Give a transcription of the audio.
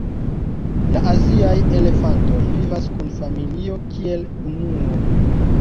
La aziaj elefantoj vivas kun familio kiel unuo.